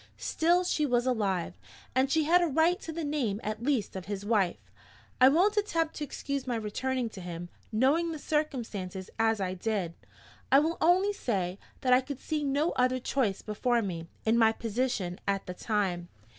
Still she was alive, and she had a right to the name at least of his wife. I won't attempt to excuse my returning to him, knowing the circumstances as I did. I will only say that I could see no other choice before me, in my position at the time.